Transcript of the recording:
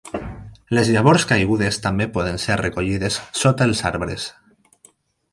Les llavors caigudes també poden ser recollides sota els arbres.